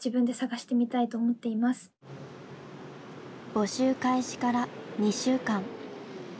募集開始から２週間。